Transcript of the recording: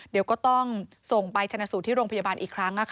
เดี๋ยวก็ต้องส่งไปชนะสูตรที่โรงพยาบาลอีกครั้ง